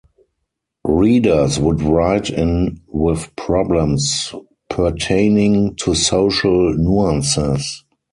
Readers would write in with problems pertaining to social nuances.